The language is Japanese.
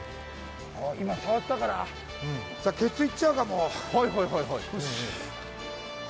今、触ったからケツ行っちゃうかも。